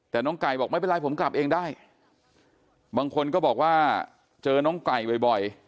แต่น้องไก่บอกไม่เป็นไรผมกลับเองได้บางคนก็บอกว่าเจอน้องไก่บ่อย